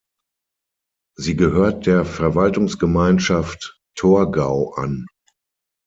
Sie gehört der Verwaltungsgemeinschaft Torgau an.